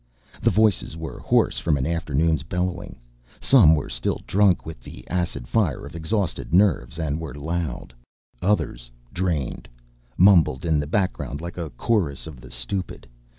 The voices were hoarse from an afternoon's bellowing. Some were still drunk with the acid fire of exhausted nerves, and were loud. Others, drained, mumbled in the background like a chorus of the stupid.